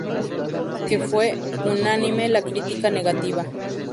que fue unánime la crítica negativa